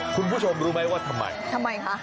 คุณผู้ชมรู้ไหมว่าทำไมทำไมคะ